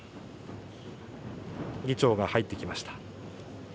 議長が入ってきました。